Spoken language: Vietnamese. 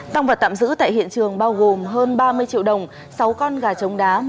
tăng vật tạm giữ tại hiện trường bao gồm hơn ba mươi triệu đồng sáu con gà trống đá